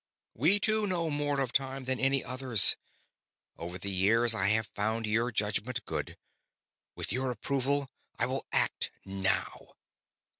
We two know more of time than any others. Over the years I have found your judgment good. With your approval I will act now.